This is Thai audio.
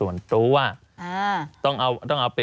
สนุนโดยหวานได้ทุกที่ที่มีพาเลส